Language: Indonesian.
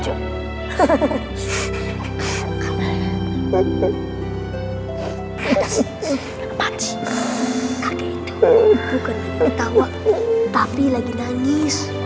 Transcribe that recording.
bukan ketawa tapi lagi nangis